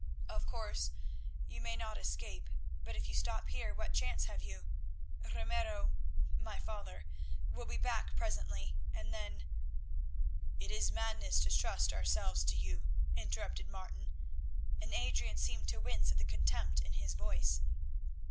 "Of course you may not escape, but if you stop here what chance have you? Ramiro, my father, will be back presently and then——" "It is madness to trust ourselves to you," interrupted Martin, and Adrian seemed to wince at the contempt in his voice.